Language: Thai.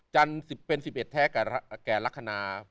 เป็น๑๑แท้แก่ลักษณะ